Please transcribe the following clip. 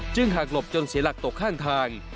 หากหลบจนเสียหลักตกข้างทาง